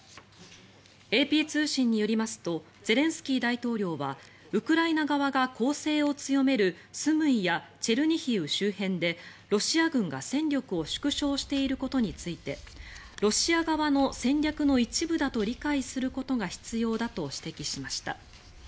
ＡＰ通信によりますとゼレンスキー大統領はウクライナ側が攻勢を強めるスムイやチェルニヒウ周辺で、ロシア軍が戦力を縮小していることについてロシア側の戦略の一部だと理解することが必要だと指摘しました。